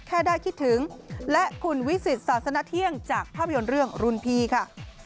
แค่ได้คิดถึงและคุณวิสิตศาสนเที่ยงจากภาพยนตร์เรื่องรุ่นพี่ค่ะ